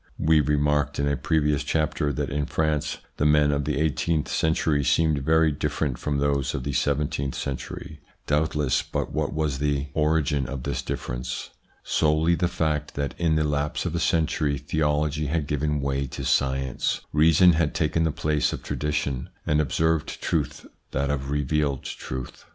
We remarked in a previous chapter that in France the men of the eighteenth century seemed very different from those of the seventeenth century. Doubtless, but what was the 198 THE PSYCHOLOGY OF PEOPLES origin of this difference ? Solely the fact that in the lapse of a century theology had given way to science, reason had taken the place of tradition, and observed truth that of revealed truth.